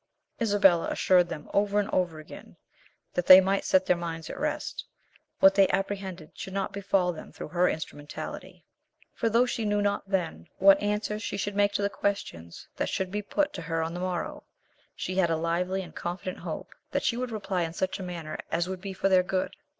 Isabella assured them over and over again that they might set their minds at rest; what they apprehended should not befal them through her instrumentality; for though she knew not then what answer she should make to the questions that should be put to her on the morrow, she had a lively and confident hope that she would reply in such a manner as would be for their good.